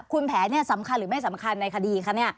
คุณแผนสำคัญหรือไม่สำคัญในคดีคะ